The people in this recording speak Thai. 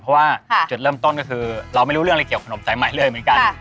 เพราะว่าจุดเริ่มต้นก็คือเราไม่รู้เรื่องอะไรเกี่ยวขนมสายใหม่เลยเหมือนกัน